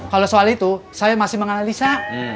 kalau soal itu saya masih menganalisa